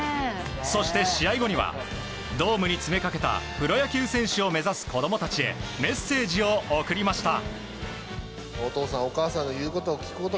そして、試合後にはドームに詰めかけたプロ野球選手を目指す子供たちへメッセージを送りました。